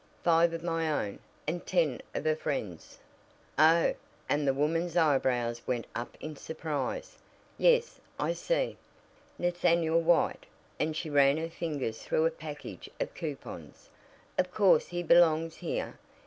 Five of my own, and ten of a friend's." "Oh!" and the woman's eyebrows went up in surprise. "Yes, I see. Nathaniel White," and she ran her fingers through a package of coupons. "Of course, he belongs here.